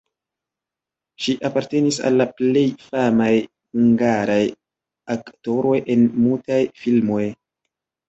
Ŝi apartenis al la plej famaj hungaraj aktoroj en mutaj filmoj.